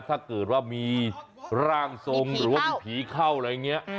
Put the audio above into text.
ถ้าเกิดว่ามีร่างทรงหรือว่ามีผีเข้าอะไรอย่างนี้